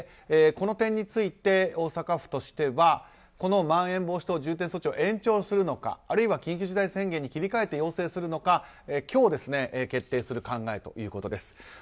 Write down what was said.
この点について、大阪府としてはこのまん延防止等重点措置を延長するのかあるいは緊急事態宣言に切り替えて要請するのか今日、決定する考えということです。